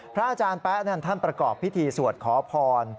อาจารย์แป๊ะท่านประกอบพิธีสวดขอพร